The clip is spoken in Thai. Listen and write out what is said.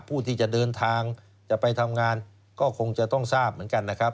ผู้ที่จะเดินทางจะไปทำงานก็คงจะต้องทราบเหมือนกันนะครับ